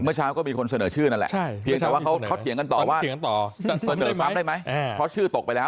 เมื่อเช้าก็มีคนเสนอชื่อนั่นแหละเพียงแต่ว่าเขาเถียงกันต่อว่าเสนอซ้ำได้ไหมเพราะชื่อตกไปแล้ว